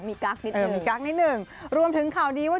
มีกั๊กนิดนึงเกิดเหมือนกับกั๊กนิดนึงรวมถึงข่าวดีว่า